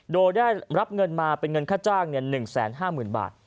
โดยได้รับเงินมาเป็นเงินค่าจ้าง๑๕๐๐๐บาท